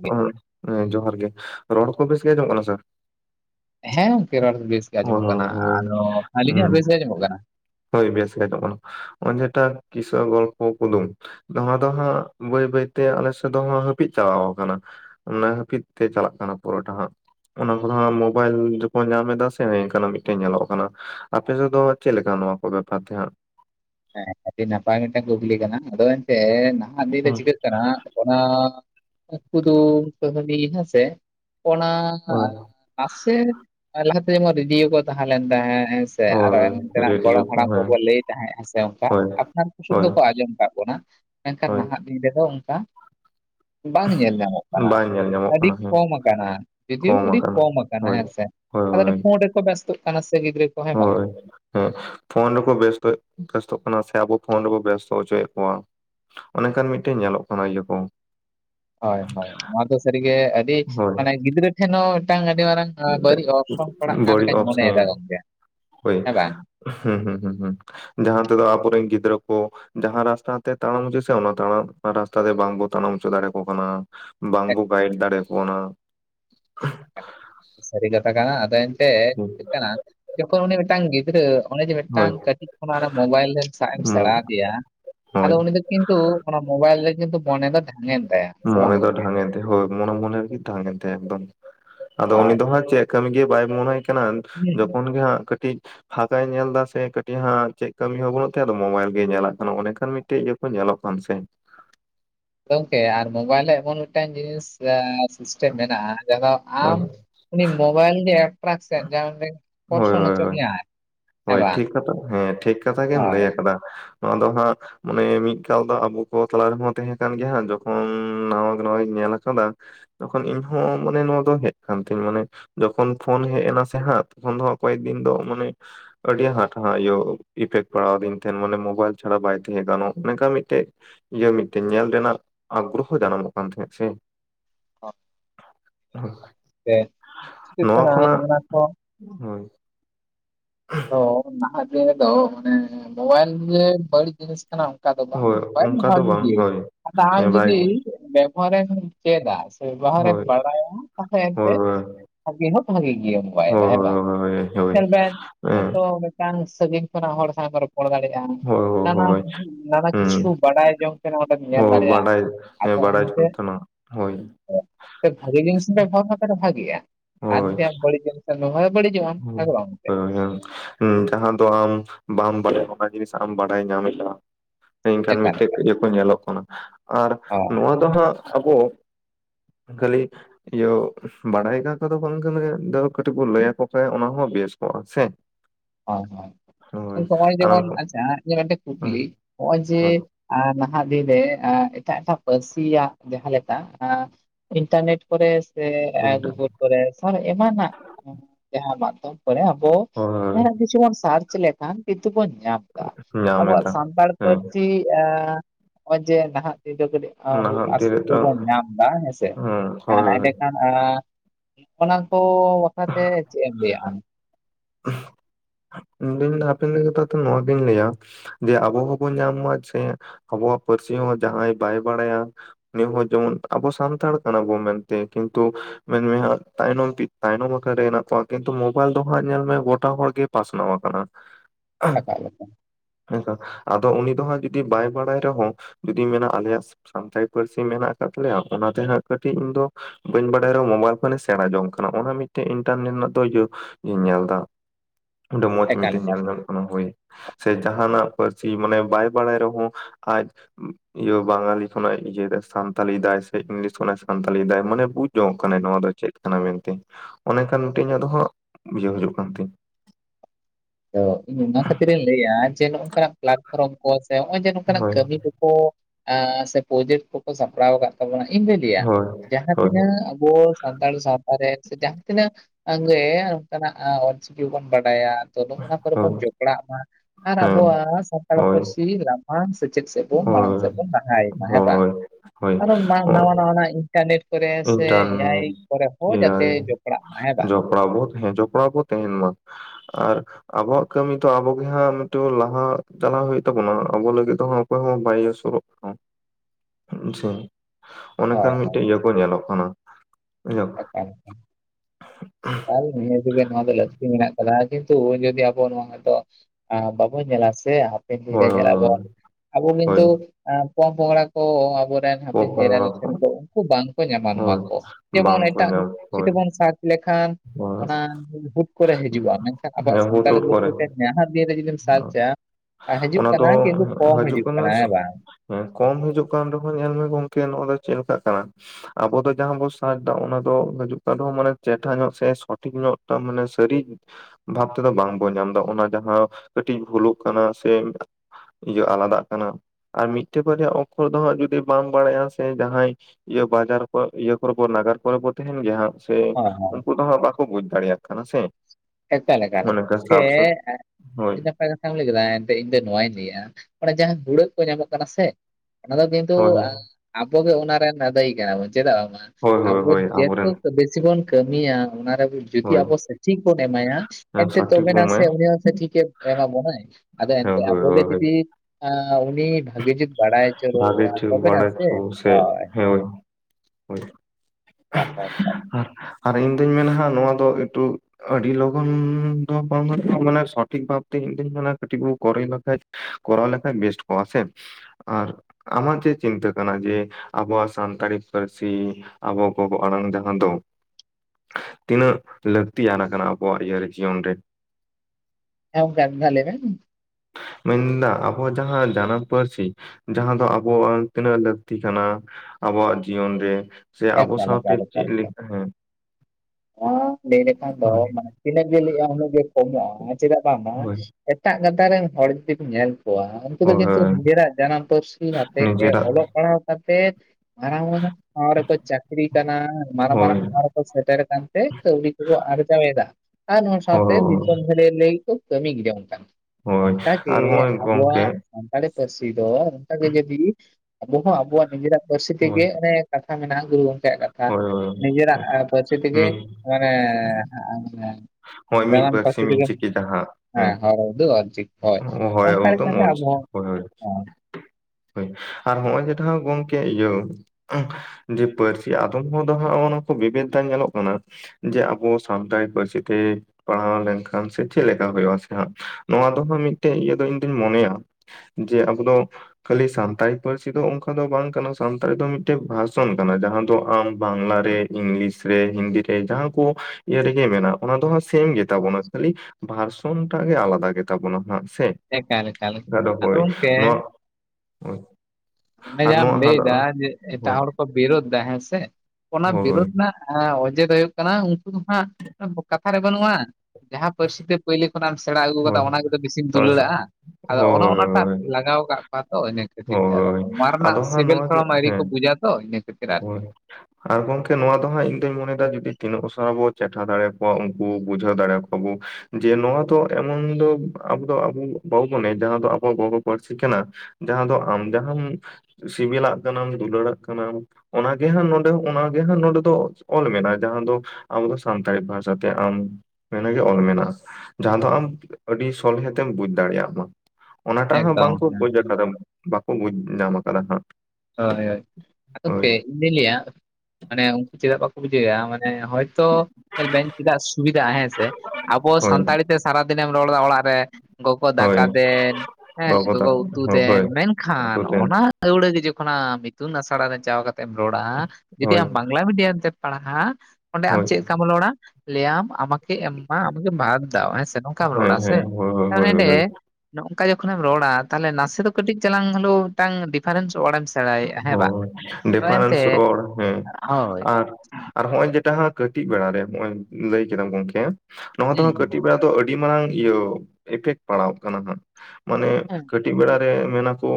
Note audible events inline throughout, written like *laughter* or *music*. ᱜᱮ ᱚᱸ ᱮᱸ ᱡᱚᱦᱟᱨ ᱜᱮ ᱨᱚᱲ ᱠᱚ ᱵᱮᱥ ᱜᱮ ᱟᱸᱡᱚᱢᱚᱜ ᱠᱟᱱᱟ ᱥᱮ? ᱦᱮᱸ ᱜᱚᱝᱠᱮ ᱨᱚᱲ ᱫᱚ ᱵᱮᱥ ᱜᱮ ᱦᱳᱭ ᱟᱸᱡᱚᱢᱚᱜ ᱠᱟᱱᱟ, ᱦᱳᱭ ᱟᱫᱚ ᱟᱹᱞᱤᱧᱟᱜ ᱦᱩᱸ ᱵᱮᱥ ᱜᱮ ᱟᱸᱡᱚᱢᱚᱜ ᱠᱟᱱᱟ? ᱦᱳᱭ ᱵᱮᱥ ᱜᱮ ᱟᱧᱡᱚᱢᱚᱜ ᱠᱟᱱᱟ ᱦᱚᱜᱚᱭ ᱡᱮᱴᱟ ᱠᱤᱥᱟᱹ ᱜᱚᱞᱯᱚ ᱠᱩᱫᱩᱢᱼᱼ ᱱᱚᱣᱟ ᱫᱚ ᱱᱟᱦᱟᱸᱜ ᱵᱟᱹᱭ ᱵᱟᱹᱭ ᱛᱮ ᱟᱞᱮ ᱥᱮᱜ ᱫᱚᱦᱟᱸᱜ ᱦᱟᱹᱯᱤᱜ ᱪᱟᱞᱟᱣ ᱠᱟᱱᱟ᱾ ᱚᱱᱟ ᱦᱟᱹᱯᱤᱫ ᱛᱮ ᱪᱟᱞᱟᱜ ᱠᱟᱱᱟ ᱯᱩᱨᱟᱹ ᱴᱟ ᱦᱟᱸᱜ᱾ ᱚᱱᱟ ᱠᱚᱫᱚ ᱦᱟᱸᱜ ᱢᱳᱵᱟᱭᱤᱞ ᱡᱚᱠᱚᱱ ᱧᱟᱢ ᱮᱫᱟ ᱥᱮ ᱮᱱᱠᱟ ᱱᱟᱜ ᱢᱤᱫᱴᱮᱡ ᱧᱮᱞᱚᱜ ᱠᱟᱱᱟ᱾ ᱟᱯᱮ ᱫᱚ ᱫᱚ ᱪᱮᱜ ᱞᱮᱠᱟ ᱱᱚᱣᱟ ᱠᱚ ᱵᱮᱯᱟᱨ ᱛᱮ ᱦᱟᱸᱜ? ᱦᱮᱸ ᱟᱹᱰᱤ ᱱᱟᱯᱟᱭ ᱢᱤᱫᱴᱟᱝ ᱠᱩᱠᱞᱤ ᱠᱟᱱᱟ ᱟᱫᱚ ᱮᱱᱛᱮ ᱱᱟᱦᱟᱜ ᱫᱤᱱ ᱨᱮ ᱪᱤᱠᱟᱹᱜ ᱠᱟᱱᱟᱼᱼ ᱚᱱᱟ ᱠᱩᱫᱩᱢ ᱠᱟᱹᱦᱱᱤ ᱦᱮᱸ ᱥᱮ ᱚᱱᱟ ᱦᱳᱭ ᱦᱟᱸᱜ ᱟᱥᱮ ᱞᱟᱦᱟ ᱛᱮ ᱡᱮᱢᱚᱱ ᱨᱤᱰᱭᱳ ᱠᱚ ᱛᱟᱦᱮᱸ ᱞᱮᱱ ᱛᱟᱦᱮᱸ ᱦᱮᱸ ᱥᱮ ᱟᱨᱚ ᱦᱳᱭ ᱮᱢᱟᱱ ᱛᱮᱱᱟᱜ ᱨᱮᱰᱤᱭᱳ ᱜᱚᱲᱚᱢ ᱠᱚ ᱦᱟᱲᱟᱢ ᱦᱮᱸ ᱠᱚᱠᱚ ᱞᱟᱹᱭ ᱛᱟᱦᱮᱸᱫ ᱦᱮᱸ ᱥᱮ ᱚᱱᱠᱟ ᱦᱳᱭ ᱟᱯᱱᱟᱨ ᱯᱩᱥᱤ‌ ᱦᱳᱭ ᱫᱚᱠᱚ ᱟᱸᱡᱚᱢ ᱠᱟᱜ ᱵᱚᱱᱟ ᱢᱮᱱᱠᱷᱟᱱ ᱦᱳᱭ ᱱᱟᱦᱟᱸᱜ ᱫᱤᱱ ᱨᱮᱦᱚ ᱚᱱᱠᱟ ᱵᱟᱝ ᱧᱮᱞ ᱧᱟᱢᱚᱜ ᱠᱟᱱᱟ᱾ ᱵᱟᱝ ᱧᱮᱞ ᱧᱟᱢᱚᱜ ᱟᱹᱰᱤ ᱠᱟᱱᱟ ᱦᱮᱸ ᱠᱚᱢ ᱠᱟᱱᱟ ᱡᱩᱫᱤᱣ ᱟᱹᱰᱤ ᱟᱠᱟᱱᱟ ᱠᱚᱢ ᱠᱟᱱᱟ ᱦᱳᱭ ᱦᱮᱸ ᱥᱮ ᱦᱳᱭ ᱟᱫᱚ ᱚᱱᱮ ᱦᱳᱭ ᱯᱷᱳᱱ ᱨᱮᱠᱚ ᱵᱮᱥᱛᱚᱜ ᱠᱟᱱᱟ ᱥᱮ ᱜᱤᱫᱽᱨᱟᱹ ᱠᱚ ᱦᱮᱸ ᱵᱟᱝ᱾ ᱦᱳᱭ ᱦᱮᱸ ᱯᱷᱳᱱ ᱨᱮᱠᱚ ᱵᱮᱥᱛᱭᱮᱜ ᱵᱮᱥᱛᱚᱜ ᱠᱟᱱᱟ ᱥᱮ ᱟᱵᱚ ᱯᱷᱳᱱ ᱨᱮᱵᱚ ᱵᱮᱥᱛᱚ ᱚᱪᱚᱭᱮᱜ ᱠᱚᱣᱟ᱾ ᱚᱱᱮ ᱠᱟᱱ ᱢᱤᱫᱴᱮᱡ ᱧᱮᱞᱚᱜ ᱠᱟᱱᱟ ᱤᱭᱟᱹ ᱠᱚ᱾ ᱦᱚᱭ ᱦᱚᱭ ᱱᱚᱣᱟ ᱫᱚ ᱥᱟᱹᱨᱤ ᱜᱮ ᱟᱹᱰᱤ ᱦᱳᱭ ᱢᱟᱱᱮ ᱜᱤᱫᱽᱨᱟᱹ ᱴᱷᱮᱱ ᱦᱚᱸ ᱢᱤᱫᱴᱟᱝ ᱟᱹᱰᱤ ᱢᱟᱨᱟᱝ ᱟᱸ ᱢᱤᱫᱴᱮᱡ ᱵᱟᱹᱲᱤᱡ ᱚᱨᱥᱚᱝ ᱯᱟᱲᱟᱜ ᱠᱟᱱ ᱵᱟᱹᱲᱤᱡ ᱞᱮᱠᱟᱧ ᱢᱚᱱᱮᱭ ᱫᱟ ᱚᱨᱥᱚᱝ ᱜᱚᱝᱠᱮ ᱦᱳᱭ ᱦᱮᱸ ᱵᱟᱝ? ᱦᱩᱸ ᱦᱩᱸ ᱦᱩᱸ ᱦᱩᱸ, ᱡᱟᱦᱟᱸ ᱛᱮᱫᱚ ᱟᱵᱚ ᱨᱮᱱ ᱜᱤᱫᱽᱨᱟᱹ ᱠᱚ ᱡᱟᱦᱟᱸ ᱨᱟᱥᱛᱟ ᱛᱮ ᱛᱟᱲᱟᱢ ᱚᱪᱚ ᱥᱮ ᱚᱱᱟ ᱛᱟᱲᱟᱢ ᱨᱟᱥᱛᱟ ᱨᱮ ᱵᱟᱝ ᱵᱚ ᱛᱟᱲᱟᱢ ᱚᱪᱚ ᱫᱟᱲᱮᱣᱟ ᱠᱚ ᱠᱟᱱᱟ᱾ ᱵᱟᱝ ᱵᱚ ᱜᱟᱭᱤᱰ ᱫᱟᱨᱮᱣ ᱠᱚ ᱠᱟᱱᱟ᱾ ᱮᱠᱟᱞ ᱥᱟᱹᱨᱤ ᱠᱟᱛᱷᱟ ᱠᱟᱱᱟ ᱟᱫᱚ ᱮᱱᱛᱮᱫ ᱪᱤᱜᱠᱟ ᱠᱟᱱᱟ ᱡᱚᱠᱷᱚᱱ ᱩᱱᱤ ᱢᱤᱫᱴᱟᱝ ᱜᱤᱫᱽᱨᱟᱹ ᱚᱱᱮ ᱡᱮ ᱦᱳᱭ ᱢᱤᱫᱴᱟᱝ ᱠᱟᱹᱴᱤᱡ ᱠᱷᱚᱱᱟᱜ ᱟᱨᱚ ᱢᱳᱵᱟᱭᱤᱞ ᱞᱮ ᱥᱟᱵ ᱮᱢ ᱢᱚ ᱥᱮᱬᱟᱣ ᱟᱫᱮᱭᱟ ᱟᱫᱚ ᱦᱳᱭ ᱩᱱᱤ ᱫᱚ ᱠᱤᱱᱛᱩ ᱚᱱᱟ ᱢᱳᱵᱟᱭᱤᱞ ᱨᱮ ᱠᱤᱱᱛᱩ ᱢᱚᱱᱮ ᱫᱚ ᱛᱟᱦᱮᱸ ᱮᱱ ᱛᱟᱭᱟ᱾ ᱥᱮ ᱵᱟᱝ ᱢᱚᱱᱮ ᱫᱚ ᱜᱚᱝᱠᱮ ᱰᱷᱟᱝ ᱮᱱ ᱛᱟᱭᱟ ᱦᱳᱭ ᱢᱚᱱᱮ ᱢᱚᱱᱮ ᱨᱮᱜᱮ ᱰᱷᱟᱝ ᱮᱱ ᱛᱟᱭᱟ ᱮᱠᱫᱚᱢ ᱟᱫᱚ ᱩᱱᱤ ᱦᱳᱭ ᱫᱚ ᱦᱟᱸᱜ ᱪᱮᱫ ᱠᱟᱹᱢᱤ ᱜᱮ ᱵᱟᱭ ᱢᱚᱱᱮᱭ ᱠᱟᱱᱟ ᱦᱩᱸ ᱡᱚᱠᱷᱚᱱ ᱜᱮ ᱦᱟᱸᱜ ᱠᱟᱹᱴᱤᱡ ᱯᱷᱟᱠᱟᱭ ᱧᱮᱞ ᱫᱟ ᱥᱮ ᱠᱟᱹᱴᱤᱡ ᱦᱟᱸᱜ ᱪᱮᱜ ᱠᱟᱹᱢᱤ ᱦᱚᱸ ᱵᱟᱹᱱᱩᱜ ᱛᱟᱭᱟ ᱟᱨ ᱢᱳᱵᱟᱭᱤᱞ ᱜᱮ ᱧᱮᱞᱟ ᱠᱷᱟᱱ ᱚᱱᱮ ᱠᱷᱟᱱ ᱢᱤᱫ ᱴᱤᱡ ᱡᱚᱠᱚ ᱧᱮᱞᱚᱜ ᱠᱟᱱ ᱥᱮ ᱜᱚᱢᱠᱮ ᱟᱨ ᱢᱳᱵᱟᱭᱤᱞ ᱦᱚ ᱮᱢᱚᱱ ᱢᱤᱫᱴᱟᱝ ᱡᱤᱱᱤᱥ ᱟᱸ ᱥᱤᱥᱴᱮᱢ ᱢᱮᱱᱟᱜᱼᱟ ᱡᱟᱦᱟᱸ ᱫᱚ ᱦᱳᱭ ᱟᱢ ᱩᱱᱤ ᱢᱳᱵᱟᱭᱤᱞ ᱜᱮ ᱮᱴᱨᱟᱠᱥᱚᱱ *unintelligible* ᱟᱠᱚᱨ ᱦᱳᱭ ᱥᱚᱱ ᱦᱳᱭ ᱦᱚᱪᱚ ᱦᱳᱭ ᱢᱮᱭᱟᱭ᱾ ᱦᱮᱸ ᱦᱳᱭ ᱵᱟᱝ? ᱴᱷᱤᱠ ᱠᱟᱛᱷᱟ ᱦᱮᱸ ᱴᱷᱤᱠ ᱠᱟᱛᱷᱟ ᱜᱮᱢ ᱦᱳᱭ ᱞᱟᱹᱭ ᱠᱟᱫᱟ ᱱᱚᱣᱟ ᱫᱚ ᱦᱟᱸᱜ ᱢᱟᱱᱮ ᱢᱤᱫ ᱠᱟᱞ ᱫᱚ ᱟᱵᱚ ᱠᱚ ᱛᱟᱞᱟᱨᱮᱦᱚᱸ ᱛᱟᱦᱮᱸ ᱠᱟᱱ ᱜᱮᱭᱟ ᱦᱟᱸᱜ ᱡᱚᱠᱷᱚᱱ ᱱᱟᱣᱟ ᱱᱟᱣᱟᱜᱤᱧ ᱧᱮᱞ ᱠᱟᱫᱟ, ᱛᱚᱠᱷᱚᱱ ᱤᱧ ᱦᱚᱸ ᱢᱟᱱᱮ ᱱᱚᱣᱟ ᱫᱚ ᱦᱮᱡ ᱠᱟᱱ ᱛᱤᱧ ᱢᱟᱱᱮ ᱡᱚᱠᱷᱚᱱ ᱯᱷᱳᱱ ᱦᱮᱡ ᱮᱱᱟ ᱥᱮ ᱦᱟᱸᱜ ᱛᱚᱠᱷᱚᱱ ᱫᱚ ᱠᱚᱭᱮᱠ ᱫᱤᱱ ᱫᱚ ᱢᱟᱱᱮ ᱟᱹᱰᱤ ᱦᱟᱴ ᱤᱭᱟᱹ ᱤᱯᱷᱮᱠᱴ ᱯᱟᱲᱟᱣᱟᱫᱤᱧ ᱛᱟᱦᱮᱸᱱ ᱢᱟᱱᱮ ᱢᱳᱵᱟᱭᱤᱞ ᱪᱷᱟᱲᱟ ᱵᱟᱭ ᱛᱟᱦᱮᱸ ᱜᱟᱱᱚᱜ ᱚᱱᱠᱟ ᱢᱤᱫᱴᱮᱡ ᱤᱭᱟᱹ ᱢᱤᱫᱴᱮᱱ ᱧᱮᱞ ᱨᱮᱱᱟᱜ ᱟᱜᱽᱨᱚᱦᱚ ᱡᱟᱱᱟᱢᱚᱜ ᱠᱟᱱ ᱛᱟᱦᱮᱸᱫ ᱥᱮ᱾ ᱦᱚ᱾ ᱦᱳᱭ᱾ ᱥᱮ *unintelligible* ᱱᱚᱝᱜᱨᱟ ᱠᱚ ᱦᱳᱭ᱾ ᱛᱚ ᱱᱟᱦᱟᱸᱜ ᱫᱤᱱ ᱨᱮᱫᱚ ᱢᱟᱱᱮ ᱢᱳᱵᱟᱭᱤᱞ ᱡᱮ ᱵᱟᱹᱲᱤᱡ ᱡᱤᱱᱤᱥ ᱠᱟᱱᱟ, ᱚᱱᱠᱟ ᱫᱚ ᱵᱟᱝ ᱦᱳᱭ ᱚᱱᱠᱟ *unintelligible* ᱫᱚ ᱵᱷᱟᱜᱮ ᱵᱟᱝ ᱜᱮ ᱦᱳᱭ ᱟᱫᱚ ᱟᱢ ᱦᱮᱸ ᱵᱟᱭ ᱡᱩᱫᱤ ᱵᱮᱵᱚᱦᱟᱨᱮᱢ ᱪᱮᱫᱟ ᱥᱮ ᱵᱮᱵᱚᱦᱟᱨᱮᱢ ᱦᱳᱭ ᱵᱟᱲᱟᱭᱟ ᱛᱟᱦᱚᱞᱮ ᱦᱳᱭ ᱮᱱᱛᱮᱜ ᱦᱳᱭ ᱵᱷᱟᱜᱮ ᱦᱚᱸ ᱵᱷᱟᱜᱤ ᱜᱮᱭᱟ ᱦᱳᱭ ᱢᱳᱵᱟᱭᱤᱞ ᱦᱮᱸ ᱵᱟᱝ ᱦᱳᱭ ᱧᱮᱞ ᱦᱳᱭ ᱵᱮᱱ ᱦᱚᱭᱛᱚ ᱦᱮᱸ ᱢᱤᱫᱴᱟᱱ ᱥᱟᱺᱜᱤᱧ ᱠᱷᱚᱱᱟᱜ ᱦᱚᱲ ᱥᱟᱶ ᱵᱚᱱ ᱨᱚᱯᱚᱲ ᱫᱟᱲᱮᱭᱟᱜᱼᱟ ᱦᱳᱭ ᱦᱳᱭ ᱦᱳᱭ ᱱᱟ-ᱱᱟᱱ ᱠᱤᱪᱷᱩ ᱦᱩᱸ ᱵᱟᱰᱟᱭ ᱡᱚᱝ ᱛᱮᱱᱟᱜ ᱚᱸᱰᱮᱢ ᱧᱮᱞ ᱦᱳᱭ ᱫᱟᱲᱮᱭᱟᱜᱼᱟ ᱵᱟᱰᱟᱭ ᱟᱫᱚ ᱦᱮᱸ ᱵᱟᱰᱟᱭ ᱮᱱᱛᱮ ᱡᱚᱝ ᱛᱟᱦᱮᱱᱟ ᱦᱳᱭ ᱵᱷᱟᱹᱜᱤ ᱡᱤᱱᱤᱥ ᱵᱮᱵᱷᱟᱨ ᱞᱮᱠᱷᱟᱱ ᱵᱷᱟᱜᱮᱭᱟ ᱟᱨ ᱡᱩᱫᱤ ᱟᱢ ᱵᱟᱹᱲᱤᱡ ᱡᱤᱱᱤᱥ ᱮᱢ ᱵᱮᱵᱚᱦᱟᱨ ᱦᱩᱸ ᱦᱳᱭ ᱦᱚ᱾ ᱦᱩᱸ ᱡᱟᱦᱟᱸ ᱫᱚ ᱟᱢ ᱵᱟᱢ ᱵᱟᱲᱟᱭᱟ ᱚᱱᱟ ᱡᱤᱱᱤᱥ ᱟᱢ ᱵᱟᱲᱟᱭ ᱧᱟᱢᱮᱫᱼᱟ᱾ ᱦᱳᱭ ᱮᱱᱠᱷᱟᱱ ᱮᱠᱟᱞ ᱢᱤᱫᱴᱮᱡ ᱮᱠᱟᱞ ᱤᱭᱟᱹᱠᱚ ᱧᱮᱞᱚᱜ ᱠᱟᱱᱟ ᱟᱨ ᱦᱳᱭ ᱱᱚᱣᱟ ᱫᱚ ᱦᱟᱸᱜ ᱟᱵᱚ ᱠᱷᱟᱹᱞᱤ ᱤᱭᱟᱹ ᱵᱟᱲᱟᱭ ᱠᱟ ᱠᱚᱫᱚ ᱵᱟᱝ ᱠᱟᱱᱟ ᱫᱚ ᱠᱟᱹᱴᱤᱡ ᱵᱚᱱ ᱞᱟᱹᱭᱟ ᱠᱚᱯᱮ ᱚᱱᱟ ᱦᱚᱸ ᱵᱮᱥ ᱠᱚᱜᱼᱟ ᱥᱮ? ᱦᱳᱭ ᱦᱚᱭ ᱦᱚᱭ *inaudible* ᱠᱟᱨᱚᱱ ᱡᱮᱢᱚᱱ ᱠᱚ ᱟᱪᱷᱟ ᱤᱧᱟᱜ ᱢᱤᱫ ᱴᱮᱡ ᱦᱳᱭ ᱠᱩᱠᱞᱤ ᱦᱚᱸᱼᱚᱭ ᱡᱮ ᱟᱨ ᱱᱟᱦᱟᱜ ᱫᱤᱱᱨᱮ ᱮᱴᱟᱜ ᱮᱴᱟᱜ ᱯᱟᱹᱨᱥᱤᱭᱟᱜ ᱡᱟᱦᱟᱸ ᱞᱮᱠᱟ ᱟᱸ ᱤᱱᱴᱟᱨᱱᱮᱴ ᱠᱚᱨᱮ ᱥᱮ ᱜᱩᱜᱩᱞ ᱠᱚᱨᱮ ᱥᱟᱨ ᱮᱢᱟᱱᱟᱜ ᱡᱟᱦᱟᱸ ᱢᱟᱫᱽᱫᱷᱚᱢ ᱠᱚᱨᱮ ᱟᱵᱚ ᱦᱳᱭ, ᱡᱟᱦᱱᱟᱜ ᱠᱤᱪᱷᱩ ᱵᱚᱱ ᱥᱟᱨᱪ ᱞᱮᱠᱷᱟᱱ ᱠᱤᱱᱛᱩ ᱵᱚᱱ ᱧᱟᱢ ᱫᱟ ᱧᱟᱢ ᱟᱵᱚᱣᱟᱜ ᱮᱫᱟ ᱥᱟᱱᱛᱟᱲ ᱯᱟᱹᱨ ᱦᱮᱸ ᱛᱤ ᱮᱸ ᱦᱚᱸᱜᱼᱚᱭ ᱡᱮ ᱱᱟᱦᱟᱜ ᱫᱤᱱ ᱨᱮ ᱱᱟᱦᱟᱜ ᱫᱤᱱ ᱨᱮᱫᱚ ᱠᱟᱹᱴᱤᱡ *unintelligible* ᱵᱚᱱ ᱧᱟᱢ ᱫᱟ ᱦᱮᱸ ᱥᱮ ᱟᱸ ᱦᱳᱭ ᱦᱳᱭ ᱮᱸᱰᱮ ᱠᱷᱟᱱ ᱮᱸ ᱚᱱᱟ ᱠᱚ ᱵᱟᱠᱷᱨᱟᱛᱮ ᱪᱮᱫ ᱮᱢ ᱞᱟᱹᱭᱟ ᱟᱢ? *inaudible* ᱱᱚᱣᱟ ᱜᱤᱧ ᱞᱟᱹᱭᱟ ᱡᱮ ᱟᱵᱚ ᱦᱚᱸᱵᱚᱱ ᱧᱟᱢ ᱢᱟ ᱪᱷᱮ ᱟᱵᱚᱣᱟᱜ ᱯᱟᱹᱨᱥᱤ ᱦᱚᱸ ᱡᱟᱦᱟᱸᱭ ᱵᱟᱭ ᱵᱟᱲᱟᱭᱟ ᱱᱤᱭᱟᱹ ᱦᱚᱸ ᱡᱮᱢᱚᱱ ᱟᱵᱚ ᱥᱟᱱᱛᱟᱲ ᱠᱟᱱᱟ ᱵᱚᱱ ᱢᱮᱱᱛᱮ ᱠᱤᱱᱛᱩ ᱢᱮᱱᱢᱮ ᱦᱟᱸᱜ ᱛᱟᱭᱱᱚᱢ *inaudible* ᱛᱟᱭᱱᱚᱢ ᱟᱠᱟᱱ ᱨᱮ ᱦᱮᱸᱱᱟᱜ ᱠᱚᱣᱟ ᱠᱤᱱᱛᱩ ᱢᱳᱵᱟᱭᱤᱞ ᱫᱚ ᱦᱟᱸᱜ ᱧᱮᱞ ᱢᱮ ᱜᱚᱴᱟ ᱦᱚᱲᱜᱮ ᱯᱟᱥᱱᱟᱣ ᱟᱠᱟᱱᱟ᱾ ᱮᱠᱟᱞ ᱮᱠᱟᱞ᱾ ᱦᱮᱸᱥᱮ ᱟᱫᱚ ᱩᱱᱤ ᱫᱚ ᱦᱟᱸᱜ ᱡᱩᱫᱤ ᱵᱟᱭ ᱵᱟᱲᱟᱭ ᱨᱮᱦᱚᱸ ᱡᱩᱫᱤᱧ ᱢᱮᱱᱟ ᱟᱞᱮᱭᱟᱜ ᱥᱟᱱᱛᱟᱲᱤ ᱯᱟᱹᱨᱥᱤ ᱢᱮᱱᱟᱜ ᱠᱟᱫ ᱛᱟᱞᱮᱭᱟ ᱚᱱᱟᱛᱮ ᱦᱟᱸᱜ ᱠᱟᱹᱴᱤᱡ ᱤᱧ ᱫᱚ ᱵᱟᱹᱧ ᱵᱟᱰᱟᱭ ᱨᱮᱦᱚᱸ ᱢᱳᱵᱟᱭᱤᱞ ᱠᱷᱚᱱᱤᱧ ᱥᱮᱬᱟ ᱡᱚᱝ ᱠᱟᱱᱟ ᱚᱱᱟ ᱢᱤᱫᱴᱮᱡ ᱤᱱᱴᱟᱨᱱᱮᱴ ᱨᱮᱱᱟᱜ ᱫᱚ ᱤᱭᱟᱹᱧ ᱧᱮᱞ ᱫᱟ᱾ ᱚᱸᱰᱮ ᱢᱚᱸᱡᱽ ᱚᱠᱟ ᱢᱤᱫᱴᱮᱱ ᱞᱮᱠᱟ ᱧᱮᱞ ᱧᱟᱢᱚᱜ ᱠᱟᱱᱟ ᱦᱩᱭ᱾ ᱥᱮ ᱡᱟᱦᱱᱟᱜ ᱯᱟᱹᱨᱥᱤ ᱢᱟᱱᱮ ᱵᱟᱭ ᱵᱟᱲᱟᱭ ᱨᱮᱦᱚᱸ ᱟᱡ ᱤᱭᱟᱹ ᱵᱟᱝᱟᱞᱤ ᱠᱷᱚᱱᱟᱜ ᱮ ᱤᱭᱟᱹᱭ ᱫᱟ ᱥᱟᱱᱛᱟᱞᱤ ᱫᱟᱭ ᱥᱮ ᱤᱝᱞᱤᱥ ᱠᱷᱚᱱᱟᱜ ᱮ ᱥᱟᱱᱛᱟᱞᱤ ᱫᱟᱭ ᱢᱟᱱᱮ ᱵᱩᱡ ᱡᱚᱝ ᱠᱟᱱᱟᱭ ᱱᱚᱣᱟ ᱫᱚ ᱪᱮᱫ ᱠᱟᱱᱟ ᱢᱮᱱᱛᱮ ᱚᱱᱮ ᱠᱷᱟᱱ ᱢᱤᱫᱴᱤᱝ ᱤᱧᱟᱜ ᱫᱚ ᱦᱟᱸᱜ ᱵᱩᱡᱷᱟᱹᱣ ᱦᱤᱡᱩᱜ ᱠᱟᱱ ᱛᱤᱧ ᱛᱚ ᱤᱧ ᱚᱱᱟ ᱠᱷᱟᱹᱛᱤᱨ ᱤᱧ ᱞᱟᱹᱭᱟ ᱡᱮ ᱱᱚ ᱚᱝᱠᱟᱱᱟᱜ ᱯᱞᱟᱴᱯᱷᱨᱚᱢ ᱠᱚ ᱥᱮ ᱦᱚᱸᱼᱚᱭ ᱡᱮ ᱱᱚᱝᱠᱟᱱᱟᱜ ᱦᱳᱭ ᱠᱟᱹᱢᱤ ᱠᱚ *inaudible* ᱯᱚᱡᱮᱴ ᱠᱚᱠᱚ ᱥᱟᱯᱲᱟᱣ ᱫᱠᱟ ᱛᱟᱵᱚᱱᱟ ᱤᱧ ᱞᱩᱧ ᱞᱟᱹᱭᱟ ᱦᱳᱭ ᱡᱟᱦᱟᱸ ᱦᱳᱭ ᱛᱤᱱᱟᱹᱜ ᱟᱵᱚ ᱥᱟᱱᱛᱟᱲᱤ ᱥᱟᱶ ᱟᱨᱮᱱ ᱥᱮ ᱡᱟᱦᱟᱸ ᱛᱤᱱᱟᱹᱜ ᱟᱝᱜᱮ ᱚᱝᱠᱟᱱᱟᱜ ᱚᱞᱪᱤᱠᱤ ᱵᱚᱱ ᱵᱟᱰᱟᱭᱟ ᱛᱚ ᱱᱚᱜᱼᱚᱱᱟ ᱠᱚᱨᱮ ᱵᱚᱱ ᱦᱳᱭ ᱡᱚᱯᱲᱟᱜ ᱢᱟ ᱟᱨ ᱦᱮᱸ ᱟᱵᱚᱣᱟᱜ ᱥᱟᱱᱛᱟᱲ ᱦᱳᱭ ᱯᱟᱹᱨᱥᱤ ᱢᱟᱲᱟᱝ ᱥᱮᱪᱮᱫ ᱥᱮᱫ ᱵᱚᱱ ᱢᱟᱲᱟᱝ ᱥᱮᱫ ᱵᱚᱱ ᱞᱟᱦᱟᱭ ᱢᱟ ᱦᱮᱸ ᱵᱟᱝ ᱦᱳᱭ ᱦᱳᱭ ᱟᱨᱚ ᱢᱟᱲᱟᱝ ᱦᱳᱭ ᱱᱟᱣᱟ ᱱᱟᱣᱟᱱᱟᱜ ᱤᱧ ᱤᱱᱴᱟᱨᱱᱮᱴ ᱠᱚᱨᱮ ᱥᱮ ᱮᱭᱟᱭ ᱤᱱᱴᱟᱨᱱᱮᱴ ᱠᱚᱨᱮ ᱦᱚᱸ ᱡᱟᱛᱮ ᱡᱚᱯᱲᱟᱜ ᱢᱟ ᱦᱮᱸ ᱵᱟᱝ᱾ ᱟᱵᱚ ᱛᱮᱦᱚᱸ ᱡᱚᱯᱲᱟᱣ ᱵᱚᱛ ᱛᱟᱦᱮᱱ ᱢᱟ ᱟᱨ ᱟᱵᱚᱣᱟᱜ ᱠᱟᱢᱤ ᱫᱚ ᱟᱵᱚ ᱜᱮ ᱦᱟᱸᱜ ᱱᱤᱴᱚᱜ ᱞᱟᱦᱟ ᱪᱟᱞᱟᱣ ᱦᱩᱭᱩᱜ ᱛᱟᱵᱚᱱᱟ ᱟᱵᱚ ᱞᱟᱜᱤᱫ ᱫᱚ ᱦᱟᱸᱜ ᱚᱠᱚᱭ ᱦᱚᱸ ᱵᱟᱭ ᱥᱳᱨᱳᱜ *unintelligible* ᱦᱳᱭ ᱚᱱᱮᱠᱷᱟᱱ ᱦᱳᱭ ᱢᱤᱜᱴᱮᱱ ᱤᱭᱟᱹ ᱠᱚ ᱧᱮᱞᱚᱜᱼᱟ ᱾ *inaudible* ᱱᱤᱦᱟᱹᱛ ᱜᱮ ᱱᱚᱣᱟ ᱫᱚ ᱞᱟᱠᱛᱤ ᱢᱮᱱᱟᱜ ᱠᱟᱫᱟ ᱠᱤᱱᱛᱩ ᱡᱩᱫᱤ ᱟᱵᱚ ᱱᱚᱣᱟ ᱦᱚᱭᱛᱚ ᱟᱸ ᱵᱟᱵᱚᱱ ᱧᱮᱞᱟ ᱥᱮ ᱦᱟᱯᱮᱱ ᱫᱤᱱ ᱨᱮ ᱧᱮᱞᱟᱵᱚᱱ ᱦᱳᱭ ᱟᱵᱚ ᱦᱳᱭ ᱠᱤᱱᱛᱩ ᱮᱸᱻᱜ ᱯᱚᱝ ᱯᱚᱝᱲᱟ ᱠᱚ ᱟᱵᱚᱨᱮᱱ ᱦᱟᱯᱮᱱ ᱡᱮᱱᱟᱨᱮᱥᱚᱱ ᱠᱚ ᱩᱝᱠᱩ ᱵᱟᱝᱠᱚ ᱧᱟᱢᱟ ᱱᱚᱣᱟ ᱦᱳᱭ ᱠᱚ ᱾ ᱡᱮᱢᱚᱱ ᱵᱟᱝᱠᱚ ᱮᱴᱟᱜ ᱧᱟᱢ *inaudible* ᱦᱳᱭ ᱛᱮᱵᱚᱱ ᱥᱟᱨᱪ ᱞᱮᱠᱷᱟᱱ ᱦᱳᱭ ᱚᱱᱟ *inaudible* ᱠᱚᱨᱮ ᱦᱤᱡᱩᱜᱼᱟ, ᱢᱮᱱᱠᱷᱟᱱ ᱟᱵᱚᱣᱟᱜ ᱦᱮᱸ ᱦᱩᱴ ᱥᱟᱱᱛᱟᱲᱤ ᱦᱩᱴ ᱠᱚᱨᱮ ᱞᱤᱯᱤ ᱛᱮ ᱧᱟᱢᱟᱜ ᱫᱤᱱ ᱨᱮ ᱡᱩᱫᱤᱢ ᱥᱟᱨᱪᱟ᱾ ᱟ ᱦᱤᱡᱩᱜ ᱚᱱᱟ ᱫᱚ ᱠᱟᱱᱟ, ᱠᱤᱱᱛᱩ ᱠᱚᱢ ᱦᱤᱡᱩᱜ ᱠᱟᱱᱟ ᱦᱮᱸ ᱵᱟᱝ? ᱦᱮᱸ ᱠᱚᱢ ᱦᱤᱡᱩᱜ ᱠᱟᱱ ᱨᱮᱦᱚᱸ ᱧᱮᱞ ᱢᱮ ᱜᱚᱝᱠᱮ ᱱᱚᱣᱟ ᱫᱚ ᱪᱮᱫ ᱞᱮᱠᱟᱜ ᱠᱟᱱᱟ ᱟᱵᱚ ᱫᱚ ᱡᱟᱦᱟᱸ ᱵᱚᱱ ᱥᱟᱨᱪ ᱫᱟ ᱚᱱᱟ ᱫᱚ ᱦᱤᱡᱩᱜ ᱠᱟᱱ ᱨᱮᱦᱚᱸ ᱢᱟᱱᱮ ᱪᱮᱫ ᱴᱷᱟ ᱧᱚᱜ ᱥᱮ ᱥᱚᱴᱷᱤᱠ ᱧᱚᱜ ᱢᱟ ᱢᱟᱱᱮ ᱥᱟᱹᱨᱤᱜᱮ ᱵᱷᱟᱵ ᱛᱮᱫᱚ ᱵᱟᱝᱵᱚ ᱧᱟᱢ ᱫᱟ ᱾ ᱚᱱᱟ ᱡᱟᱦᱟᱸ ᱠᱟᱹᱴᱤᱡ ᱵᱷᱩᱞᱚᱜ ᱠᱟᱱᱟ ᱥᱮ ᱤᱭᱟᱹ ᱟᱞᱟᱫᱟᱜ ᱠᱟᱱᱟ ᱟᱨ ᱢᱤᱜᱴᱮᱜ ᱵᱟᱨᱭᱟ ᱚᱠᱠᱷᱚᱨ ᱫᱚ ᱦᱟᱸᱜ ᱡᱩᱫᱤ ᱵᱟᱢ ᱵᱟᱲᱟᱭᱟ ᱥᱮ ᱡᱟᱦᱟᱸᱭ ᱤᱭᱟᱹ ᱵᱟᱡᱟᱨ ᱠᱚ ᱤᱭᱟᱹ ᱠᱚᱨᱮᱠᱚ ᱱᱟᱜᱟᱨ ᱠᱚᱨᱮ ᱠᱚ ᱛᱟᱦᱮᱱ ᱜᱮᱭᱟ ᱦᱟᱸᱜ ᱥᱮ ᱦᱳᱭ ᱦᱳᱭ ᱩᱱᱠᱩ ᱫᱚ ᱦᱟᱸᱜ ᱵᱟᱠᱚ ᱵᱩᱡᱽ ᱫᱟᱲᱮᱭᱟᱜ ᱠᱟᱱᱟ ᱥᱮ ᱾ ᱮᱠᱟᱞ ᱮᱠᱟᱞ *unintelligible* ᱦᱳᱭ ᱚᱠᱟ ᱠᱟᱛᱷᱟᱢ ᱞᱟᱹᱭ ᱠᱮᱫᱟ ᱮᱱᱛᱮ ᱤᱧ ᱫᱚ ᱱᱚᱣᱟᱧ ᱞᱮᱹᱭᱮᱜ-ᱟ, ᱚᱱᱮ ᱡᱟᱦᱟᱸ ᱦᱩᱲᱟᱹᱜ ᱠᱚ ᱧᱟᱢᱚᱜ ᱠᱟᱱᱟ ᱥᱮ ᱚᱱᱟ ᱫᱚ ᱠᱤᱱᱛᱩ ᱦᱳᱭ ᱦᱳᱭ ᱟᱵᱚ ᱜᱮ ᱚᱱᱟ ᱨᱮᱱ ᱫᱟᱹᱭᱤ ᱠᱟᱱᱟ ᱵᱚᱱ ᱪᱮᱫᱟᱜ ᱵᱟᱝ ᱢᱟ ᱦᱳᱭ ᱦᱳᱭ ᱟᱵᱚ ᱦᱳᱭ ᱡᱚᱛᱚ ᱟᱵᱚᱨᱮᱱ ᱵᱮᱥᱤ ᱵᱚᱱ ᱠᱟᱹᱢᱤᱭᱟ ᱚᱱᱟ ᱨᱮ ᱟᱵᱚ ᱡᱩᱫᱤ ᱦᱳᱭ ᱟᱵᱚ ᱥᱚᱴᱷᱤᱠ ᱵᱚᱱ ᱮᱢᱟᱭᱟ ᱮᱱᱛᱮ ᱥᱚᱴᱷᱤᱠ ᱛᱚᱵᱮ ᱟᱱᱟ ᱥᱮ ᱩᱢᱮᱨ ᱩᱱᱤ ᱦᱚᱸ ᱴᱷᱤᱠᱮ ᱮᱢᱟ ᱵᱚᱱᱟᱭ ᱾ ᱟᱫᱚ ᱦᱳᱭ ᱮᱱᱛᱮ ᱦᱳᱭ ᱟᱵᱚᱜᱮ ᱦᱳᱭ ᱡᱩᱫᱤ ᱩᱱᱤ ᱵᱷᱟᱜᱮ ᱡᱩᱛ ᱵᱟᱰᱟᱭ ᱵᱷᱟᱜᱮ ᱡᱟᱨᱩᱲᱚᱜ-ᱟ ᱴᱷᱤᱠ ᱛᱚᱵᱮᱱᱟ ᱵᱟᱲᱟᱭ ᱥᱮ, ᱦᱚᱪᱚ ᱦᱳᱭ ᱾ ᱦᱮᱸ ᱦᱳᱭ ᱾ ᱴᱟᱠᱴᱚᱨ ᱟᱨ ᱤᱧ ᱫᱩᱧ ᱢᱮᱱᱟ ᱦᱟᱸᱜ ᱱᱚᱣᱟ ᱫᱚ ᱮᱠᱴᱩ ᱟᱹᱰᱤ ᱞᱚᱜᱚᱱ ᱫᱚ ᱵᱟᱝ ᱢᱟᱱᱮ ᱢᱟᱱᱮ ᱥᱚᱴᱷᱤᱠ ᱵᱷᱟᱵᱛᱮᱧ ᱤᱧ ᱫᱩᱧ ᱢᱮᱱᱟ ᱠᱟᱹᱴᱤᱡ ᱵᱚ ᱠᱚᱨᱤᱭ ᱞᱮᱠᱷᱟᱡ ᱠᱚᱨᱟᱣ ᱞᱮᱠᱷᱟᱡ ᱵᱮᱥᱴ ᱠᱚᱜ-ᱟ ᱥᱮ, ᱟᱨ ᱟᱢᱟᱜ ᱪᱮᱫ ᱪᱤᱱᱛᱟᱹ ᱠᱟᱱᱟ ᱡᱮ ᱟᱵᱚᱣᱟᱜ ᱥᱟᱱᱛᱟᱲᱤ ᱯᱟᱹᱨᱥᱤ ᱟᱵᱚ ᱠᱚᱵᱚ ᱟᱲᱟᱝ ᱡᱟᱦᱟᱸ ᱫᱚ ᱛᱤᱱᱟᱹᱜ ᱞᱟᱹᱠᱛᱤᱭᱟᱱ ᱠᱟᱱᱟ ᱟᱵᱚᱣᱟᱜ ᱤᱭᱟᱹ ᱨᱮ ᱡᱤᱭᱚᱱ ᱨᱮ? ᱦᱮᱸ ᱜᱚᱢᱠᱮ ᱟᱨ ᱢᱤᱫ ᱫᱷᱟᱣ ᱞᱮᱭ ᱵᱮᱱ ᱾ ᱢᱮᱱᱮᱫᱟ ᱟᱵᱚᱣᱟᱜ ᱡᱟᱦᱟᱸ ᱡᱟᱱᱟᱢ ᱯᱟᱹᱨᱥᱤ, ᱡᱟᱦᱟᱸ ᱫᱚ ᱟᱵᱚᱣᱟᱝ ᱛᱤᱱᱟᱹᱜ ᱞᱟᱹᱠᱛᱤ ᱠᱟᱱᱟ? ᱟᱵᱚᱣᱟᱜ ᱡᱤᱭᱚᱱ ᱨᱮ ᱥᱮ ᱟᱵᱚ ᱥᱟᱶᱛᱮ ᱪᱮᱫ ᱞᱮᱠᱟ ᱦᱮᱸ ᱦᱚᱸ ᱞᱟᱹᱭ ᱞᱮᱠᱷᱟᱱ ᱫᱚ ᱦᱳᱭ ᱢᱟᱱᱮ ᱛᱤᱱᱟᱹᱜ ᱜᱮ ᱞᱮᱹᱜ-ᱟ ᱩᱱᱟᱹᱜ ᱜᱮ ᱠᱚᱢᱚᱜ-ᱟ ᱾ ᱪᱮᱫᱟᱜ ᱵᱟᱝᱢᱟ ᱦᱳᱭ ᱮᱴᱟᱜ ᱜᱟᱛᱟ ᱨᱮᱱ ᱦᱚᱲ ᱡᱩᱫᱤ ᱵᱤᱱ ᱧᱮᱞ ᱠᱚᱣᱟ ᱩᱱᱠᱩ ᱫᱚ ᱠᱤᱱᱛᱩ ᱦᱳᱭ ᱱᱤᱡᱮᱨᱟᱜ ᱡᱟᱱᱟᱢ ᱯᱟᱹᱨᱥᱤ ᱟᱛᱮᱜ ᱜᱮ ᱱᱤᱡᱮᱨᱟᱜ ᱚᱞᱚᱜ ᱯᱟᱲᱦᱟᱣ ᱠᱟᱛᱮᱫ *unintelligible* ᱴᱷᱟᱶ ᱨᱮᱠᱚ ᱪᱟᱹᱠᱨᱤ ᱠᱟᱱᱟ ᱢᱟᱨᱟᱝ ᱢᱟᱨᱟᱝ ᱦᱳᱭ ᱴᱷᱟᱶ ᱨᱮᱠᱚ ᱥᱮᱴᱮᱨ ᱟᱠᱟᱱᱛᱮ ᱠᱟᱹᱣᱰᱤ ᱠᱚᱠᱚ ᱟᱨᱡᱟᱣ ᱮᱫᱟ᱾ ᱟᱨ ᱱᱚᱣᱟ ᱥᱟᱶᱛᱮ ᱫᱤᱥᱚᱢ ᱦᱳᱭ ᱵᱷᱟᱹᱞᱟᱹᱭ ᱞᱟᱹᱜᱤᱫ ᱠᱚ ᱠᱟᱹᱢᱤᱠ ᱡᱚᱝ ᱠᱟᱱᱟ ᱾ ᱦᱳᱭ ᱚᱝᱠᱟ ᱜᱮ ᱟᱨ ᱦᱚᱸᱜᱼᱚᱭ ᱟᱵᱚᱣᱟᱜ ᱜᱚᱝᱠᱮ ᱥᱟᱱᱛᱟᱲᱤ ᱯᱟᱹᱨᱥᱤ ᱫᱚ ᱚᱱᱠᱟ ᱜᱮ ᱡᱚᱫᱤ ᱟᱵᱚ ᱦᱚᱸ ᱟᱵᱚᱣᱟᱜ ᱱᱤᱡᱮᱨᱟᱜ ᱯᱟᱹᱨᱥᱤ ᱦᱳᱭ ᱛᱮᱜᱮ ᱚᱱᱮ ᱠᱟᱛᱷᱟ ᱢᱮᱱᱟᱜ-ᱟ ᱜᱩᱨᱩ ᱜᱚᱝᱠᱮᱭᱟᱜ ᱠᱟᱛᱷᱟ ᱦᱳᱭ ᱦᱳᱭ ᱱᱤᱡᱮᱨᱟᱜ ᱦᱳᱭ ᱯᱟᱹᱨᱥᱤ ᱛᱮᱜᱮ ᱢᱤᱫ ᱚᱱᱮ ᱦᱟᱜ ᱦᱳᱭ ᱢᱤᱫ ᱚᱱᱮ ᱯᱟᱹᱨᱥᱤ ᱢᱤᱫ ᱪᱤᱠᱤ ᱡᱟᱦᱟᱸ ᱦᱮᱸ *unintelligible* ᱦᱳᱭ ᱚᱱᱠᱟ ᱞᱮᱠᱟ ᱮᱠᱫᱚᱢ ᱛᱮ ᱟᱵᱚ ᱚᱞᱪᱤᱠᱤ ᱦᱚᱸ ᱦᱳᱭ ᱦᱳᱭ *inaudible* ᱚᱸ ᱾ ᱦᱳᱭ ᱟᱨ ᱦᱚᱸᱜ-ᱚᱭ ᱡᱮᱴᱟ ᱜᱚᱝᱠᱮ ᱤᱭᱟᱹ ᱡᱮ ᱯᱟᱹᱨᱥᱤ ᱟᱫᱚᱢ ᱦᱚᱲ ᱫᱚ ᱦᱟᱜ ᱱᱚᱣᱟ ᱠᱚ ᱵᱤᱵᱮᱫᱽᱫᱟ ᱧᱮᱞᱚᱜ ᱠᱟᱱᱟ ᱡᱮ ᱟᱵᱚ ᱥᱟᱱᱛᱟᱲᱤ ᱯᱟᱹᱨᱥᱤ ᱛᱮ ᱯᱟᱲᱦᱟᱣ ᱞᱮᱱᱠᱷᱟᱱ ᱥᱮ ᱪᱮᱫ ᱞᱮᱠᱟ ᱦᱩᱭᱩᱜ-ᱟ ᱥᱮ ᱦᱟᱸᱜ ᱱᱚᱣᱟ ᱫᱚ ᱦᱟᱸᱜ ᱢᱤᱫᱴᱮᱡ ᱤᱭᱟᱹ ᱫᱚ ᱤᱧᱫᱩᱧ ᱢᱚᱱᱮᱭᱟ ᱡᱮ ᱟᱵᱚ ᱫᱚ ᱠᱷᱟᱹᱞᱤ ᱥᱟᱱᱛᱟᱲᱤ ᱯᱟᱹᱨᱥᱤ ᱫᱚ ᱚᱱᱠᱟ ᱫᱚ ᱵᱟᱝ ᱠᱟᱱᱟ ᱥᱟᱱᱛᱟᱲᱤ ᱫᱚ ᱢᱤᱫᱴᱮᱡ ᱵᱷᱟᱨᱥᱚᱱ ᱠᱟᱱᱟ ᱡᱟᱦᱟᱸ ᱫᱚ ᱟᱢ ᱵᱟᱝᱞᱟ ᱨᱮ ᱤᱝᱞᱤᱥ ᱨᱮ ᱦᱤᱱᱫᱤ ᱨᱮ ᱡᱟᱦᱟᱸ ᱠᱚ ᱤᱭᱟᱹ ᱨᱮᱜᱮ ᱢᱮᱱᱟᱜ ᱚᱱᱟ ᱫᱚ ᱦᱟᱸᱜ ᱥᱮᱢ ᱜᱮ ᱛᱟᱵᱚᱱᱟ ᱠᱷᱟᱹᱞᱤ ᱵᱷᱟᱨᱥᱚᱱᱴᱟᱜ ᱜᱮ ᱟᱞᱟᱫᱟ ᱜᱮ ᱛᱟᱵᱚᱱᱟ ᱦᱟᱸᱜ ᱥᱮ ᱾ ᱮᱠᱟᱞ ᱮᱠᱟᱞ *inaudible* ᱟᱫᱚ ᱦᱳᱭ ᱜᱚᱝᱠᱮ ᱱᱚᱣᱟ *inaudible* ᱦᱳᱭ ᱾ ᱚᱱᱮ ᱡᱟᱦᱟᱸᱢ ᱞᱟᱹᱭᱮᱫᱟ ᱡᱮ ᱮᱴᱟᱜ ᱦᱳᱭ ᱦᱚᱲ ᱠᱚ ᱵᱤᱨᱳᱫᱽ ᱮᱫᱟ ᱦᱮᱸᱥᱮ, ᱚᱱᱟ ᱦᱳᱭ ᱵᱤᱨᱳᱫᱽ ᱨᱮᱱᱟᱜ ᱚᱡᱮ ᱫᱚ ᱦᱩᱭᱩᱜ ᱠᱟᱱᱟ ᱩᱱᱠᱩ ᱫᱚ ᱦᱟᱸᱜ ᱠᱟᱛᱷᱟ ᱨᱮ ᱵᱟᱹᱱᱩᱜ-ᱟ ᱡᱟᱦᱟᱸ ᱯᱟᱹᱨᱥᱤ ᱛᱮ ᱯᱳᱭᱞᱳ ᱠᱷᱚᱱᱟᱜ ᱮᱢ ᱥᱮᱬᱟ ᱟᱹᱜᱩ ᱟᱠᱟᱫᱟ ᱦᱳᱭ ᱚᱱᱟ ᱜᱮᱛᱚ ᱵᱮᱥᱤᱢ ᱦᱳᱭ ᱫᱩᱞᱟᱹᱲᱟᱜ-ᱟ ᱟᱫᱚ ᱚᱱᱟ ᱦᱳᱭ ᱚᱱᱟᱴᱟᱜ ᱦᱳᱭ ᱞᱟᱜᱟᱣ ᱟᱠᱟᱫ ᱠᱚᱣᱟ ᱛᱚ ᱤᱱᱟᱹ ᱠᱷᱟᱹᱛᱤᱨ ᱦᱳᱭ ᱛᱮ ᱟᱫᱚ ᱦᱳᱭ ᱱᱚᱣᱟ ᱨᱮᱱᱟᱜ ᱟᱫᱚ ᱦᱟᱸᱜ ᱥᱤᱵᱤᱞ ᱱᱚᱣᱟ ᱜᱮ ᱥᱚᱲᱚᱢ ᱟᱹᱣᱨᱤ ᱠᱚ ᱦᱮᱸ ᱵᱩᱡᱽ-ᱟ ᱛᱚ ᱤᱱᱟᱹ ᱠᱷᱟᱹᱛᱤᱨ ᱦᱳᱭ ᱟᱨᱠᱤ ᱾ ᱟᱨ ᱜᱚᱝᱠᱮ ᱱᱚᱣᱟ ᱫᱚ ᱦᱟᱸᱜ ᱤᱧ ᱫᱩᱧ ᱢᱚᱱᱮ ᱮᱫᱟ ᱡᱚᱫᱤ ᱛᱤᱱᱟᱹᱜ ᱩᱥᱟᱹᱨᱟ ᱵᱚ ᱪᱮᱴᱷᱟ ᱫᱟᱲᱮᱣᱟᱠᱚ ᱟᱵᱚ ᱩᱱᱠᱩ ᱵᱩᱡᱷᱟᱹᱣ ᱫᱟᱲᱮᱣᱟᱠᱚ ᱟᱵᱚ ᱡᱮ, ᱱᱚᱣᱟ ᱫᱚ ᱮᱢᱚᱱ ᱫᱚ ᱟᱵᱚ ᱫᱚ ᱟᱵᱚ ᱵᱟᱵᱚ ᱢᱚᱱᱮ ᱡᱟᱦᱟᱸ ᱫᱚ ᱟᱵᱚᱣᱟᱜ ᱜᱚᱜᱚ ᱯᱟᱹᱨᱥᱤ ᱠᱟᱱᱟ᱾ ᱡᱟᱦᱟᱸ ᱫᱚ ᱟᱢ ᱡᱟᱦᱟᱸᱢ ᱥᱤᱵᱤᱞᱟᱜ ᱠᱟᱱᱟᱢ ᱫᱩᱞᱟᱹᱲᱟᱜ ᱠᱟᱱᱟᱢ᱾ ᱚᱱᱟ ᱜᱮ ᱦᱟᱸᱜ ᱱᱚᱸᱰᱮ ᱚᱱᱟ ᱜᱮ ᱦᱟᱸᱜ ᱱᱚᱸᱰᱮ ᱫᱚ ᱚᱞ ᱢᱮᱱᱟᱜ-ᱟ, ᱡᱟᱦᱟᱸ ᱫᱚ ᱟᱵᱚ ᱥᱟᱱᱛᱟᱲᱤ ᱵᱷᱟᱥᱟᱛᱮ ᱟᱢ ᱚᱱᱟ ᱜᱮ ᱚᱞ ᱢᱮᱱᱟᱜ-ᱟ᱾ ᱡᱟᱦᱟᱸ ᱫᱚ ᱟᱢ ᱟᱹᱰᱤ ᱥᱚᱞᱦᱮᱛᱮᱢ ᱵᱩᱡ ᱫᱟᱲᱮᱭᱟᱜ ᱢᱟ, ᱚᱱᱟᱴᱟᱜ ᱦᱚᱸ ᱮᱠᱫᱚᱢ ᱵᱟᱝ ᱠᱚ ᱦᱮᱸ ᱵᱩᱡᱽ-ᱟ᱾ ᱵᱟᱠᱚ ᱵᱩᱡᱽ ᱧᱟᱢ ᱟᱠᱟᱫᱟ ᱦᱟᱸᱜ᱾ ᱦᱳᱭ ᱦᱳᱭ, ᱟᱫᱚ ᱦᱳᱭ ᱥᱮᱭ ᱤᱧ ᱫᱚᱧ ᱞᱟᱹᱭᱟ ᱢᱟᱱᱮ ᱩᱱᱠᱩ ᱪᱮᱫᱟᱜ ᱵᱟᱠᱚ ᱵᱩᱡᱷᱟᱹᱣᱮᱜ-ᱟ, ᱢᱟᱱᱮ ᱦᱚᱭᱛᱚ ᱧᱮᱞ ᱵᱮᱱ ᱛᱤᱱᱟᱹᱜ ᱥᱩᱵᱤᱫᱷᱟᱜ-ᱟ ᱦᱮᱸ ᱥᱮ᱾ ᱟᱵᱚ ᱦᱳᱭ ᱥᱟᱱᱛᱟᱲᱤ ᱛᱮ ᱥᱟᱨᱟᱫᱤᱱᱮᱢ ᱨᱚᱲ ᱮᱫᱟ ᱚᱲᱟᱜ ᱨᱮ, ᱜᱚᱜᱚ ᱦᱳᱭ ᱫᱟᱠᱟ ᱫᱮᱱ᱾ ᱦᱮᱸ, ᱵᱟᱵᱚ ᱜᱚᱜᱚ ᱛᱟᱠᱚ ᱩᱛᱩ ᱦᱳᱭ ᱫᱮᱱ, ᱟᱠᱚ ᱢᱮᱱᱠᱷᱟᱱ ᱴᱷᱮᱱ ᱚᱱᱟ ᱟᱹᱣᱲᱟᱹ ᱜᱮ ᱡᱚᱠᱷᱚᱱ ᱟᱢ ᱤᱛᱩᱱ ᱟᱥᱲᱟ ᱨᱮ ᱪᱟᱞᱟᱣ ᱠᱟᱛᱮ ᱮᱢ ᱨᱚᱲᱟ, ᱡᱩᱫᱤ ᱦᱳᱭ ᱟᱢ ᱵᱟᱝᱞᱟ ᱢᱤᱰᱤᱭᱟᱢ ᱛᱮᱢ ᱯᱟᱲᱦᱟᱜ-ᱟ, ᱚᱸᱰᱮ ᱟᱢ ᱦᱳᱭ ᱪᱮᱫ ᱞᱮᱠᱟᱢ ᱨᱚᱲᱟ ᱞᱟᱹᱭ ᱟᱢ ᱟᱢᱟᱠᱮ ᱢᱟ ᱟᱢᱟᱠᱮ ᱵᱷᱟᱫ ᱫᱟᱣ ᱾ᱦᱮᱸ ᱥᱮ ᱱᱚᱝᱠᱟᱢ ᱦᱮᱸ ᱨᱚᱲᱟ ᱥᱮ, ᱦᱮᱸ ᱦᱳᱭ ᱦᱳᱭ ᱠᱟᱨᱚᱱ ᱦᱳᱭ ᱮᱸᱰᱮ ᱦᱳᱭ ᱱᱚᱝᱠᱟ ᱡᱚᱠᱷᱚᱱᱮᱢ ᱨᱚᱲᱟ ᱛᱟᱦᱚᱞᱮ ᱱᱟᱥᱮ ᱫᱚ ᱠᱟᱹᱴᱤᱡ ᱛᱟᱞᱟᱝ ᱦᱳᱞᱳ ᱢᱤᱫᱴᱟᱝ ᱰᱤᱯᱷᱟᱨᱮᱱᱥ ᱚᱣᱟᱨᱰ ᱮᱢ ᱥᱮᱬᱟᱭᱟ᱾ ᱦᱚᱭ ᱰᱤᱯᱷᱟᱨᱮᱱᱥ ᱨᱚᱲ ᱦᱮᱸ ᱦᱳᱭ ᱟᱨ ᱟᱨ ᱱᱚᱜ-ᱚᱭ ᱡᱮᱴᱟ ᱦᱟᱸᱜ ᱠᱟᱹᱴᱤᱡ ᱵᱮᱲᱟᱨᱮ ᱱᱚᱜ-ᱚᱭ ᱞᱟᱹᱭ ᱠᱮᱫᱟ ᱜᱚᱝᱠᱮ ᱱᱚᱣᱟ ᱫᱚ ᱠᱟᱹᱴᱤᱡ ᱦᱩᱸ ᱵᱮᱲᱟ ᱫᱚ ᱟᱹᱰᱤ ᱢᱟᱨᱟᱝ ᱤᱭᱟᱹ ᱤᱯᱷᱮᱠᱴ ᱯᱟᱲᱦᱟᱣ-ᱚᱜ ᱠᱟᱱᱟ ᱦᱟᱸᱜ ᱢᱟᱱᱮ ᱦᱩᱸ᱾ ᱦᱮᱸ ᱦᱮᱸ᱾ ᱠᱟᱹᱴᱤᱡ ᱵᱮᱲᱟ ᱨᱮ ᱢᱮᱱᱟᱠᱚ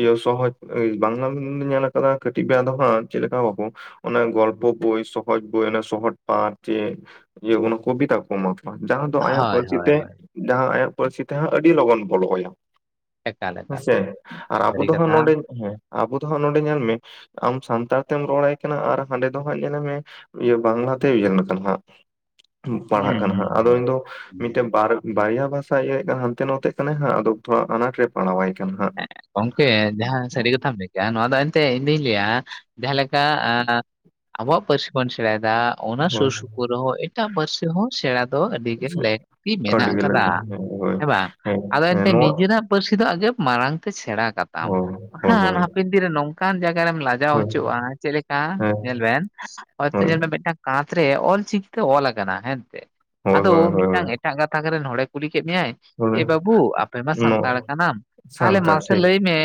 ᱤᱭᱟᱹ ᱥᱚᱦᱚᱡ ᱵᱟᱝᱞᱟ ᱨᱮ ᱫᱚᱧ ᱧᱮᱞ ᱟᱠᱟᱫᱟ ᱠᱟᱹᱴᱤᱡ ᱵᱮᱲᱟ ᱫᱚ ᱦᱟᱸᱜ ᱪᱮᱫ ᱞᱮᱠᱟ ᱵᱟᱠᱚ ᱚᱱᱮ ᱜᱚᱞᱯᱚ ᱵᱳᱭ, ᱥᱚᱦᱚᱡ ᱵᱳᱭ, ᱥᱚᱦᱚᱡ ᱯᱟᱴ, ᱪᱮᱫ ᱤᱭᱟᱹ ᱚᱱᱟ ᱠᱚᱵᱤᱛᱟ ᱠᱚ ᱮᱢᱟ᱾ ᱡᱟᱦᱟᱸ ᱫᱚ ᱟᱭᱟᱜ ᱦᱳᱭ ᱯᱟᱹᱨᱥᱤ ᱦᱳᱭ ᱛᱮ ᱦᱳᱭ ᱡᱟᱦᱟᱸ ᱟᱭᱟᱜ ᱯᱟᱹᱨᱥᱤ ᱛᱮᱦᱟᱸᱜ ᱟᱹᱰᱤ ᱞᱚᱜᱚᱱ ᱵᱚᱞᱚ ᱟᱭᱟ᱾ ᱮᱠᱟᱞ ᱮᱠᱟᱞ ᱦᱮᱸᱥᱮ ᱟᱨ ᱟᱵᱚ ᱥᱟᱹᱨᱤ ᱫᱚ ᱦᱟᱸᱜ ᱠᱟᱛᱷᱟ ᱱᱚᱸᱰᱮ ᱦᱮᱸ ᱟᱵᱚ ᱫᱚ ᱦᱟᱸᱜ ᱱᱚᱸᱰᱮ ᱧᱮᱞ ᱢᱮ ᱟᱢ ᱥᱟᱱᱛᱟᱲ ᱛᱮᱢ ᱨᱚᱲᱟᱭ ᱠᱟᱱᱟ ᱟᱨ ᱦᱟᱸᱰᱮ ᱫᱚ ᱦᱟᱸᱜ ᱧᱮᱞᱮᱢᱮ ᱤᱭᱟᱹ ᱵᱟᱝᱞᱟᱛᱮ ᱤᱭᱮᱞ ᱟᱠᱟᱱᱟ ᱦᱟᱸᱜ᱾ ᱯᱟᱲᱦᱟᱜ ᱠᱟᱱᱟ ᱦᱟᱸᱜ ᱦᱩᱸ ᱟᱫᱚ ᱤᱧ ᱫᱚ ᱦᱩᱸ᱾ ᱢᱤᱫᱴᱮᱱ ᱵᱟᱨ ᱵᱟᱨᱭᱟ ᱵᱷᱟᱥᱟ ᱤᱭᱟᱹ ᱦᱟᱱᱛᱮ ᱱᱚᱛᱮᱜ ᱠᱟᱱᱟᱭ ᱦᱟᱸᱜ ᱟᱫᱚ ᱛᱷᱚᱲᱟ ᱟᱱᱟᱴ ᱨᱮ ᱯᱟᱲᱟᱣᱟᱭ ᱠᱟᱱᱟ ᱦᱟᱸᱜ ᱜᱚᱝᱠᱮ ᱡᱟᱦᱟᱸ ᱥᱟᱹᱨᱤ ᱠᱟᱛᱷᱟᱢ ᱞᱟᱹᱭ ᱱᱚᱣᱟ ᱫᱚ ᱮᱱᱛᱮ ᱤᱧ ᱫᱩᱧ ᱞᱟᱹᱭᱟ ᱡᱟᱦᱟᱸᱞᱮᱠᱟ ᱟᱵᱚᱣᱟᱜ ᱯᱟᱹᱨᱥᱤ ᱵᱚᱱ ᱥᱮᱬᱟᱭᱮᱫᱟ᱾ ᱚᱱᱟ ᱥᱩᱨ ᱦᱳᱭ ᱥᱩᱯᱩᱨ ᱨᱮᱦᱚᱸ ᱮᱴᱟᱜ ᱯᱟᱹᱨᱥᱤ ᱦᱚᱸ ᱥᱮᱬᱟ ᱫᱚ ᱟᱹᱰᱤ ᱞᱟᱹᱠᱛᱤ ᱢᱮᱱᱟᱜ ᱟᱹᱰᱤ ᱜᱮ ᱟᱠᱟᱫᱟ ᱞᱟᱹᱠᱛᱤ ᱦᱮᱸ ᱦᱳᱭ ᱦᱮᱸ ᱵᱟᱝ? ᱦᱮᱸ ᱟᱫᱚ ᱦᱮᱸ ᱮᱱᱛᱮ ᱱᱚᱣᱟ ᱱᱤᱡᱮᱨᱟᱜ ᱯᱟᱹᱨᱥᱤ ᱫᱚ ᱟᱜᱮ ᱢᱟᱲᱟᱝ ᱛᱮ ᱥᱮᱬᱟ ᱠᱟᱛᱟᱢ ᱦᱳᱭ ᱾ᱵᱟᱠᱷᱟᱱ ᱦᱳᱭ ᱢᱤᱫ ᱫᱤᱱ ᱨᱮ ᱱᱚᱝᱠᱟᱱ ᱡᱟᱜᱟ ᱨᱮᱢ ᱞᱟᱡᱟᱣ ᱦᱳᱭ ᱦᱚᱪᱚᱜ-ᱟ, ᱪᱮᱫ ᱞᱮᱠᱟ ᱦᱮᱸ ᱧᱮᱞ ᱵᱮᱱ ᱦᱳᱭᱛᱚ ᱦᱳᱭ ᱧᱮᱞ ᱢᱮ ᱢᱤᱫᱴᱟᱝ ᱠᱟᱸᱛ ᱨᱮ ᱚᱞᱪᱤᱠᱤ ᱛᱮ ᱚᱞ ᱟᱠᱟᱱᱟ ᱦᱮᱱᱛᱮ ᱦᱳᱭ ᱟᱫᱚ ᱦᱳᱭ ᱦᱳᱭ ᱢᱤᱫᱴᱟᱝ ᱮᱴᱟᱜ ᱜᱟᱛᱟᱠ ᱨᱮᱱ ᱦᱚᱲᱮ ᱠᱩᱞᱤ ᱠᱮᱫ ᱢᱮᱭᱟᱭ, ᱮ ᱦᱳᱭ ᱵᱟᱹᱵᱩ ᱟᱯᱮ ᱢᱟ ᱱᱚ ᱥᱟᱱᱛᱟᱲ ᱠᱟᱱᱟᱢ ᱛᱟᱦᱚᱞᱮ ᱥᱟᱱᱛᱟᱲ ᱢᱟᱥᱮ ᱴᱷᱤᱠ ᱞᱟᱹᱭ ᱢᱮ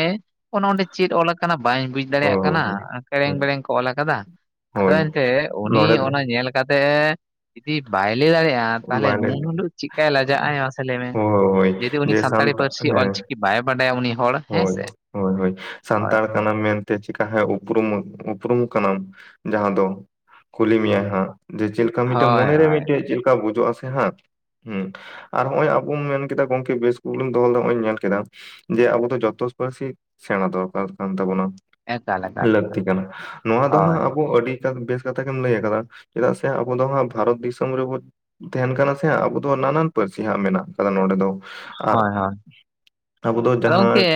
ᱚᱸᱰᱮ ᱪᱮᱫ ᱚᱞ ᱟᱠᱟᱱᱟ ᱵᱟᱹᱧ ᱵᱩᱡ ᱫᱟᱲᱮᱭᱟᱜ ᱦᱳᱭ ᱠᱟᱱᱟ? ᱦᱳᱭ ᱠᱮᱨᱮᱝ ᱦᱳᱭ ᱵᱮᱲᱮᱝ ᱠᱚ ᱚᱞ ᱟᱠᱟᱫᱟ ᱾ᱟᱫᱚ ᱦᱳᱭ ᱮᱱᱛᱮ ᱩᱱᱤ ᱱᱚᱰᱮ ᱫᱚ ᱚᱱᱟ ᱧᱮᱞ ᱪᱤᱠᱟᱹᱛᱮ ᱡᱩᱫᱤ ᱵᱟᱭ ᱞᱟᱹᱭ ᱫᱟᱲᱮᱭᱟᱜ-ᱟ, ᱛᱟᱦᱚᱞᱮ ᱢᱟᱱᱮ ᱱᱩᱱᱟᱹᱜ ᱦᱤᱞᱳᱜ ᱪᱮᱫᱠᱟᱭ ᱞᱟᱡᱟᱜ ᱟᱭ ᱢᱟᱥᱮ ᱞᱟᱹᱭ ᱢᱮ? ᱦᱳᱭ ᱦᱳᱭ ᱡᱩᱫᱤ ᱩᱱᱤ ᱡᱮ ᱥᱟᱱᱛᱟᱲᱤ ᱥᱟᱱᱛᱟ ᱯᱟᱹᱨᱥᱤ ᱦᱮᱸ ᱚᱞᱪᱤᱠᱤ ᱵᱟᱭ ᱵᱟᱰᱟᱭᱟ ᱩᱱᱤ ᱦᱚᱲ ᱦᱮᱸ ᱦᱳᱭ ᱥᱮ᱾ ᱦᱳᱭ ᱦᱳᱭ, ᱦᱳᱭ ᱥᱟᱱᱛᱟᱲ ᱠᱟᱱᱟᱢ ᱢᱮᱱᱛᱮ ᱪᱤᱠᱟ ᱩᱯᱨᱩᱢ ᱩᱯᱨᱩᱢ ᱠᱟᱱᱟᱢ ᱡᱟᱦᱟᱸ ᱫᱚ ᱠᱩᱞᱤ ᱢᱮᱭᱟᱭ ᱦᱟᱸᱜ ᱡᱮ, ᱪᱮᱫᱮᱠᱟ ᱢᱤᱫᱴᱮᱡ ᱦᱳᱭ ᱢᱚᱱᱮᱨᱮ ᱦᱳᱭ, ᱢᱤᱫᱴᱮᱡ ᱪᱮᱫ ᱞᱮᱠᱟ ᱵᱩᱡᱩᱜ-ᱟ ᱥᱮ ᱦᱟᱸᱜ ᱦᱩᱸ, ᱟᱨ ᱱᱚᱜ-ᱚᱭ ᱟᱵᱚᱢ ᱢᱮᱱᱠᱮᱫᱟ ᱜᱚᱝᱠᱮ ᱵᱮᱥ ᱤᱥᱠᱩᱞᱮᱢ ᱫᱚᱦᱚ ᱞᱮᱫᱟ ᱱᱚᱜ-ᱚᱭᱤᱧ ᱧᱮᱞ ᱠᱮᱫᱟ᱾ ᱡᱮ, ᱟᱵᱚ ᱫᱚ ᱡᱷᱚᱛᱚ ᱯᱟᱹᱨᱥᱤ ᱥᱮᱬᱟ ᱫᱚᱨᱠᱟᱨ ᱠᱟᱱ ᱛᱟᱵᱚᱱᱟ᱾ ᱮᱠᱟᱞ ᱮᱠᱟᱞ ᱞᱟᱹᱠᱛᱤ ᱠᱟᱱᱟ ᱾ᱱᱚᱣᱟ ᱫᱚ ᱦᱳᱭ ᱦᱟᱸᱜ ᱟᱵᱚ ᱟᱹᱰᱤ ᱵᱮᱥ ᱠᱟᱛᱷᱟ ᱜᱮᱢ ᱞᱟᱹᱭ ᱟᱠᱟᱫᱟ, ᱪᱮᱫᱟᱜ ᱥᱮ ᱟᱵᱚ ᱫᱚ ᱦᱟᱸᱜ ᱵᱷᱟᱨᱚᱛ ᱫᱤᱥᱚᱢ ᱨᱮᱵᱚ ᱛᱟᱦᱮᱱ ᱠᱟᱱᱟ ᱥᱮ ᱟᱵᱚ ᱫᱚ ᱱᱟᱱᱟᱱ ᱯᱟᱹᱨᱥᱤ ᱦᱟᱸᱜ ᱢᱮᱱᱟᱜ ᱠᱟᱫᱟ ᱱᱚᱰᱮ ᱫᱚ, ᱟᱨ ᱦᱳᱭ ᱦᱳᱭ ᱟᱵᱚ ᱫᱚ ᱟᱫᱚ ᱜᱚᱝᱠᱮ ᱡᱟᱦᱟᱸ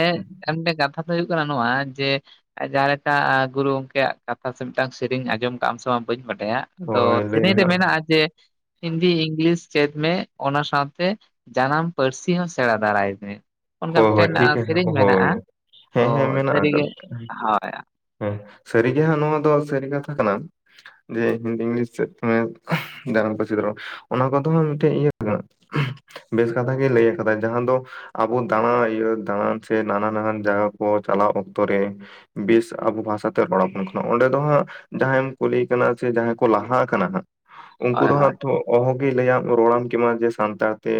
ᱟᱨ ᱢᱤᱫᱴᱮᱱ ᱠᱟᱛᱷᱟ ᱫᱚ ᱦᱩᱭᱩᱜ ᱠᱟᱱᱟ ᱱᱚᱣᱟ ᱡᱮ ᱡᱟᱦᱟᱸ ᱞᱮᱠᱟ ᱜᱩᱨᱩ ᱜᱚᱢᱠᱮᱭᱟᱜ ᱠᱟᱛᱷᱟ ᱥᱮ ᱢᱤᱫᱴᱟᱝ ᱥᱮᱨᱮᱧ ᱟᱸᱡᱚᱢ ᱠᱟᱜ ᱟᱢ ᱥᱮ ᱵᱟᱝ ᱵᱟᱹᱧ ᱵᱟᱰᱟᱭᱟ? ᱟᱫᱚ, ᱦᱳᱭ ᱞᱟᱹᱭ ᱥᱮᱨᱮᱧ ᱢᱮ ᱨᱮ ᱦᱟᱸᱜ ᱢᱮᱱᱟᱜᱼᱟ ᱡᱮ ᱦᱤᱱᱫᱤ, ᱤᱝᱞᱤᱥ ᱪᱮᱫ ᱢᱮ, ᱚᱱᱟ ᱥᱟᱶᱛᱮ ᱡᱟᱱᱟᱢ ᱯᱟᱹᱨᱥᱤ ᱦᱚᱸ ᱥᱮᱬᱟ ᱫᱟᱨᱟᱭ ᱢᱮ᱾ ᱚᱱᱠᱟ ᱦᱳᱭ ᱦᱳᱭ ᱢᱤᱫᱴᱮᱱ ᱴᱷᱤᱠ ᱮ ᱥᱮᱨᱮᱧ ᱢᱮᱱᱟᱜᱼᱟ ᱦᱳᱭ ᱛᱚ ᱦᱮᱸ ᱦᱮᱸ ᱢᱮᱱᱟᱜ ᱥᱟᱹᱨᱤᱜᱮ ᱟᱠᱟᱫᱟ᱾ ᱦᱳᱭ ᱦᱮᱸ ᱥᱟᱹᱨᱤᱜᱮ ᱦᱟᱸᱜ ᱱᱚᱣᱟ ᱫᱚ ᱥᱟᱹᱨᱤ ᱠᱟᱛᱷᱟ ᱠᱟᱱᱟ ᱡᱮ ᱦᱤᱱᱫᱤ, ᱤᱝᱞᱤᱥ ᱛᱮ ᱪᱮᱫ ᱢᱮ, ᱡᱟᱱᱟᱢ ᱯᱟᱹᱨᱥᱤ ᱛᱮ ᱨᱚᱲ᱾ ᱚᱱᱟ ᱠᱚᱫᱚ ᱢᱤᱫᱴᱮᱡ ᱤᱭᱟᱹ ᱠᱟᱱᱟ, ᱵᱮᱥ ᱠᱟᱛᱷᱟ ᱜᱮ ᱞᱟᱹᱭ ᱟᱠᱟᱫᱟ ᱡᱟᱦᱟᱸ ᱫᱚ ᱟᱵᱚ ᱫᱟᱬᱟ ᱤᱭᱟᱹ ᱫᱟᱬᱟᱱ ᱥᱮ ᱱᱟᱱᱟᱱ-ᱱᱟᱱᱟᱱ ᱡᱟᱭᱜᱟ ᱠᱚ ᱪᱟᱞᱟᱜ ᱚᱠᱛᱚ ᱨᱮ ᱵᱮᱥ ᱟᱵᱚ ᱵᱷᱟᱥᱟᱛᱮ ᱨᱚᱲ ᱟᱵᱚᱱ ᱠᱟᱱᱟ, ᱚᱸᱰᱮ ᱫᱚ ᱦᱟᱸᱜ ᱡᱟᱦᱟᱸᱭᱮᱢ ᱠᱩᱞᱤᱭ ᱠᱟᱱᱟ ᱥᱮ ᱡᱟᱦᱟᱸᱭ ᱠᱚ ᱞᱟᱦᱟ ᱠᱟᱱᱟ ᱦᱟᱸᱜ, ᱩᱱᱠᱩ ᱦᱳᱭ ᱫᱚ ᱦᱳᱭ ᱦᱟᱸᱜ ᱛᱚ ᱚᱦᱚᱸᱜᱮ ᱞᱟᱹᱭᱟ ᱨᱚᱲᱟᱢ ᱠᱮᱢᱟ ᱡᱮ ᱥᱟᱱᱛᱟᱲ ᱛᱮ,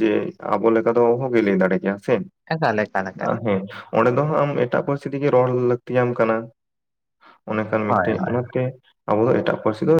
ᱡᱮ ᱟᱵᱚ ᱞᱮᱠᱟ ᱫᱚ ᱚᱦᱚᱸ ᱞᱟᱹᱭ ᱫᱟᱲᱮ ᱠᱮᱭᱟ ᱥᱮ ᱮᱠᱟᱞ ᱮᱠᱟᱞ ᱮᱠᱟᱞ ᱟ ᱦᱮᱸ ᱚᱸᱰᱮ ᱫᱚ ᱟᱢ ᱮᱴᱟᱜ ᱯᱟᱹᱨᱥᱤ ᱛᱮᱜᱮ ᱨᱚᱲ ᱞᱟᱹᱠᱛᱤᱭᱟᱢ ᱠᱟᱱᱟ᱾ ᱚᱱᱮᱠᱷᱟᱱ ᱦᱳᱭ ᱢᱤᱫᱴᱮᱡ ᱚᱱᱟᱛᱮ, ᱟᱵᱚ ᱫᱚ ᱮᱴᱟᱜ ᱯᱟᱹᱨᱥᱤ ᱫᱚ